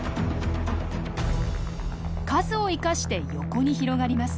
数を生かして横に広がります。